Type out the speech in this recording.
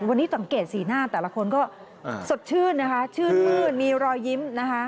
วันนี้สังเกตสีหน้าแต่ละคนก็สดชื่นนะคะชื่นมื้นมีรอยยิ้มนะคะ